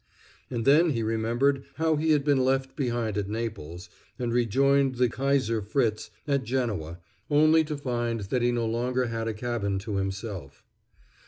And then he remembered how he had been left behind at Naples, and rejoined the Kaiser Fritz at Genoa, only to find that he no longer had a cabin to himself.